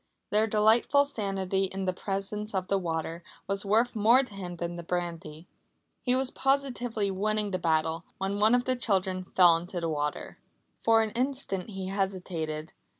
Their delightful sanity in the presence of the water was worth more to him than the brandy. He was positively winning the battle, when one of the children fell into the water. For an instant he hesitated.